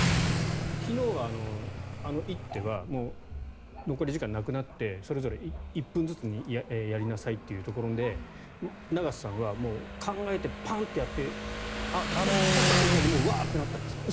昨日はあの一手は残り時間がなくなってそれぞれ１分ずつにやりなさいというところで永瀬さんは考えてパンとやって指した瞬間にうわ！ってなったんですか？